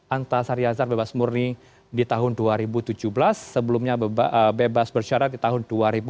antasari azhar bebas murni di tahun dua ribu tujuh belas sebelumnya bebas bersyarat di tahun dua ribu dua